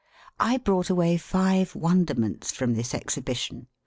I brought away five wonderments from this exhibition.